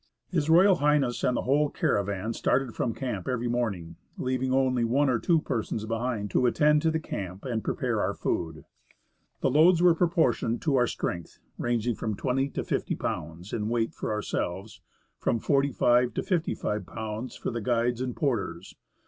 H.R.H, and the whole caravan started from cam[3 every morning, leaving only one or two persons behind to attend to the camp and prepare our food. The loads were proportioned to our strength, ranging from 20 to 50 lbs. in weight for ourselves, from 45 to 55 lbs. for the guides and porters.